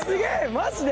マジで？